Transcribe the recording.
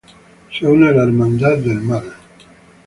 Se une a la Hermandad del Mal.